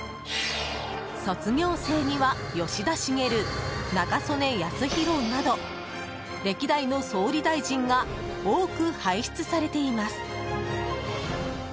卒業生には吉田茂、中曽根康弘など歴代の総理大臣が多く輩出されています。